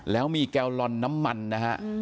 แล้วมีแก่วลอนน้ำมันนะครับ